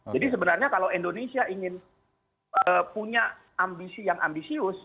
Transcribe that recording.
jadi sebenarnya kalau indonesia ingin punya ambisi yang ambisius